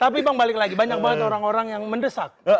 tapi bang balik lagi banyak banget orang orang yang mendesak